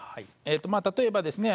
まあ例えばですね